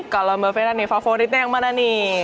kalau mbak fena nih favoritnya yang mana nih